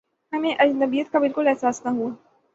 ہمیں اجنبیت کا بالکل احساس نہ ہوا